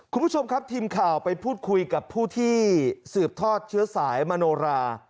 คุณผู้ชมครับทีมข่าวไปพูดคุยกับผู้ที่สืบทอดเชื้อสายมโนรา